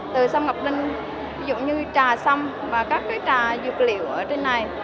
từ xăm ngập linh ví dụ như trà xăm và các trà dược liệu ở trên này